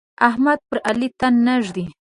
احمد پر علي تن نه ږدي.